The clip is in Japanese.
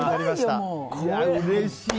うれしい！